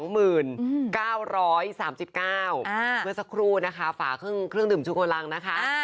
เมื่อสักครู่นะคะฝาเครื่องดื่มชูกำลังนะคะ